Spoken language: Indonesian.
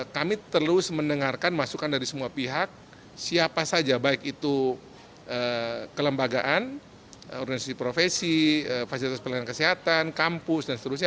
kami terus mendengarkan masukan dari semua pihak siapa saja baik itu kelembagaan organisasi profesi fasilitas pelayanan kesehatan kampus dan seterusnya